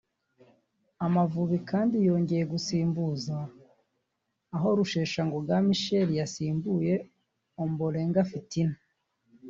Amavubi kandi yongeye gusimbuza aho Rusheshangoga Michel yasimbuye Ombolenga Fitina